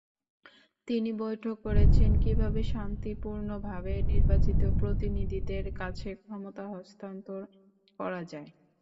তিনি বৈঠক করেছেন কীভাবে শান্তিপূর্ণভাবে নির্বাচিত প্রতিনিধিদের কাছে ক্ষমতা হস্তান্তর করা যায়।